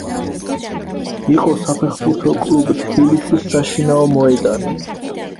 იყო საფეხბურთო კლუბ „თბილისის“ საშინაო მოედანი.